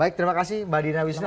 baik terima kasih mbak dina wisnu